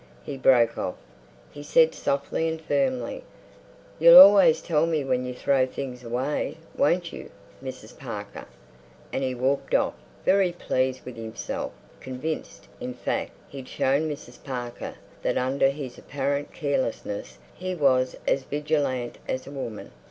He broke off. He said softly and firmly, "You'll always tell me when you throw things away—won't you, Mrs. Parker?" And he walked off very well pleased with himself, convinced, in fact, he'd shown Mrs. Parker that under his apparent carelessness he was as vigilant as a woman.